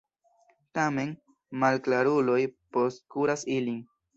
Tamen, malklaruloj postkuras ilin.